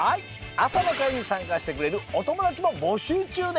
あさのかいにさんかしてくれるおともだちもぼしゅうちゅうです。